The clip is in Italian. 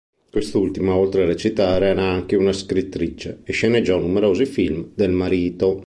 Quest'ultima, oltre a recitare, era anche una scrittrice e sceneggiò numerosi film del marito.